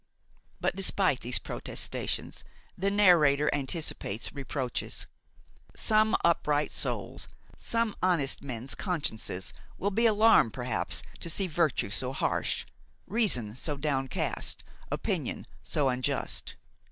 But despite these protestations the narrator anticipates reproaches. Some upright souls, some honest men's consciences will be alarmed perhaps to see virtue so harsh, reason so downcast, opinion so unjust.